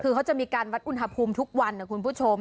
คือเขาจะมีการวัดอุณหภูมิทุกวันนะคุณผู้ชม